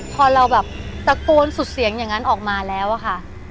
พอเราแบบตะโกนสุดเสียงอย่างนั้นออกมาแล้วอะค่ะ